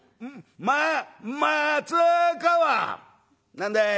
「何だい」？